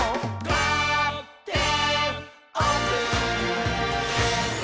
「カーテンオープン！」